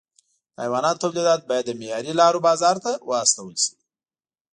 د حیواناتو تولیدات باید له معیاري لارو بازار ته واستول شي.